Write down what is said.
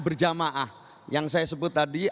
berjamaah yang saya sebut tadi